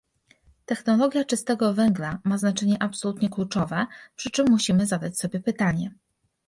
Technologia czystego węgla ma znaczenie absolutnie kluczowe, przy czym musimy zadać sobie pytanie